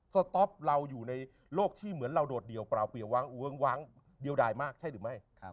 สต๊อปเราอยู่ในโลกที่เหมือนเราโดดเดี่ยวเปล่าเปียกว้างเวิ้งว้างเดียวดายมากใช่หรือไม่